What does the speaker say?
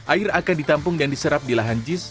air akan ditampung dan diserap di lahan jis